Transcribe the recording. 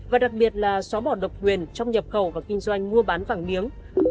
và đặc biệt là xóa bỏ độc quyền trong nhập khẩu và kinh doanh mua bán vàng miếng